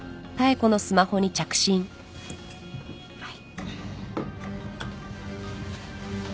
はい。